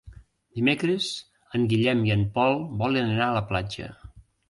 Dimecres en Guillem i en Pol volen anar a la platja.